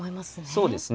そうですね。